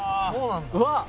うわっ！